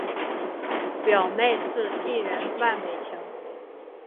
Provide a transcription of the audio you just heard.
表妹是艺人万玮乔。